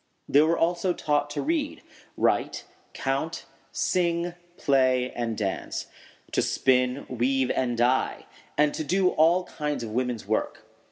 ] They were also taught to read, write, count, sing, play, and dance; to spin, weave, and dye; and to do all kinds of woman's work.